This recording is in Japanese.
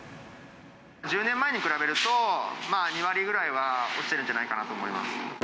１０年前に比べると、まあ２割ぐらいは落ちてるんじゃないかなと思います。